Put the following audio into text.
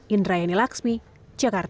indra yenilaksmi jakarta